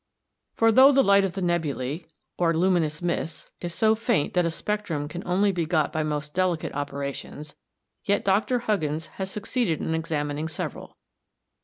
For though the light of nebulæ, or luminous mists, is so faint that a spectrum can only be got by most delicate operations, yet Dr. Huggins has succeeded in examining several.